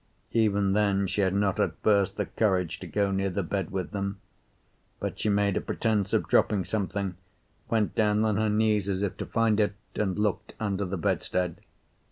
Even then she had not at first the courage to go near the bed with them, but she made a pretence of dropping something, went down on her knees as if to find it, and looked under the bedstead.